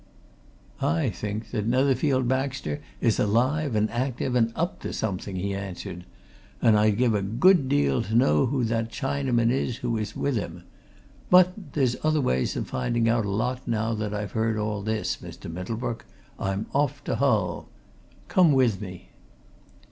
"I think that Netherfield Baxter is alive and active and up to something," he answered. "And I'd give a good deal to know who that Chinaman is who was with him. But there's ways of finding out a lot now that I've heard all this, Mr. Middlebrook! I'm off to Hull. Come with me!"